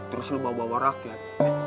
terus lu bawa bawa rakyat